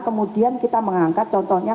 kemudian kita mengangkat contohnya